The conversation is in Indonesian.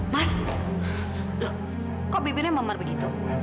mas loh kok bibirnya memar begitu